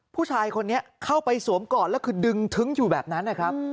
ผู้ชายคนนี้เข้าไปสวมกอดแล้วคือดึงทึ้งอยู่แบบนั้นนะครับ